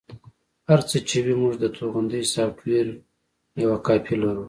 هر څه چې وي موږ د توغندي سافټویر یوه کاپي لرو